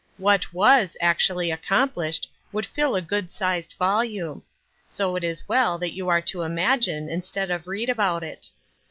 What tvas act ually accomplished would fill a good sized vol ume ; so it is well that you are to imagine instead of read about it.